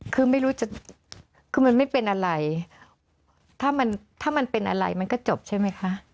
คือไม่รู้จะคือมันไม่เป็นอะไรถ้ามันถ้ามันเป็นอะไรมันก็จบใช่ไหมคะ